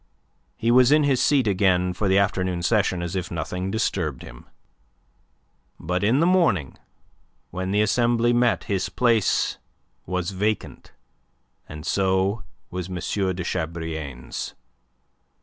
He was in his seat again for the afternoon session as if nothing disturbed him. But in the morning, when the Assembly met, his place was vacant, and so was M. de Chabrillane's.